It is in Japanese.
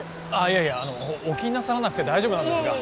いやいやお気になさらなくて大丈夫なんですが